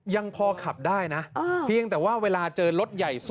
ยังพอขับได้นะเพียงแต่ว่าเวลาเจอรถใหญ่สุด